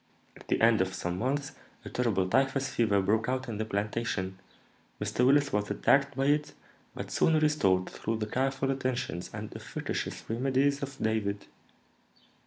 At the end of some months a terrible typhus fever broke out in the plantation. Mr. Willis was attacked by it, but soon restored through the careful attentions and efficacious remedies of David.